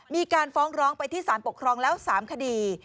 มีการฟ้องร้องไปที่สารปกครองแล้ว๓คดี